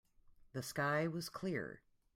The sky was clear.